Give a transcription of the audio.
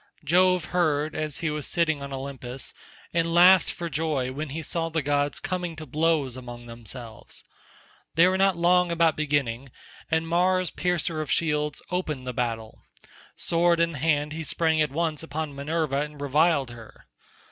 Jove heard as he was sitting on Olympus, and laughed for joy when he saw the gods coming to blows among themselves. They were not long about beginning, and Mars piercer of shields opened the battle. Sword in hand he sprang at once upon Minerva and reviled her.